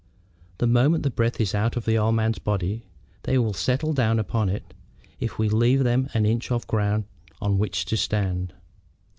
The moment the breath is out of the old man's body they will settle down upon it if we leave them an inch of ground on which to stand.